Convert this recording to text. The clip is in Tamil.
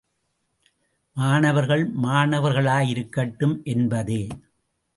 மாணவர்கள், மாணவர்களாயிருக்கட்டும் என்பதே.